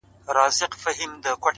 د مقدسي فلسفې د پيلولو په نيت؛